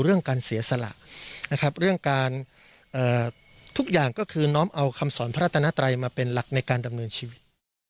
เรื่องการเสียสละนะครับเรื่องการทุกอย่างก็คือน้อมเอาคำสอนพระรัตนาไตรมาเป็นหลักในการดำเนินชีวิต